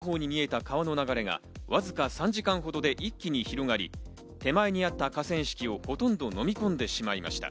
奥のほうに見えた川の流れがわずか３時間ほどで一気に広がり、手前にあった河川敷をほとんど飲み込んでしまいました。